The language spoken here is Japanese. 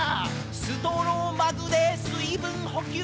「ストローマグで水分補給」